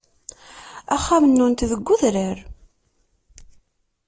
Axxam-nnunt deg udrar.